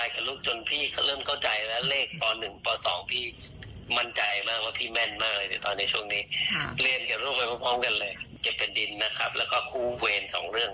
เก็บแผ่นดินนะครับแล้วก็คู่เวรสองเรื่อง